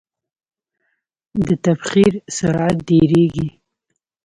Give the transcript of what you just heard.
د تبخیر سرعت ډیریږي.